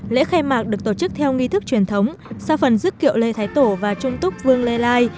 lễ khai mạc được tổ chức theo nghi thức truyền thống sau phần dứt kiệu lê thái tổ và trung túc vương lê lai